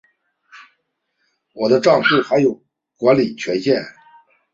我的帐户还有管理权限